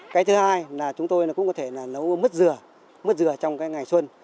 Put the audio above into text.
cái thứ hai là chúng tôi cũng có thể nấu mứt dừa mứt dừa trong cái ngày xuân